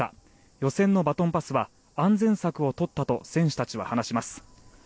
予選のバトンパスは安全策をとったと選手たちは話します。